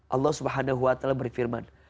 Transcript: allah swt berfirman